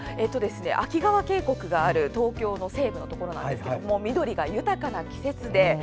秋川渓谷がある東京の西部なんですけど緑が豊かな季節で。